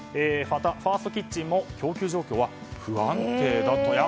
またファーストキッチンも供給状況は不安定だと。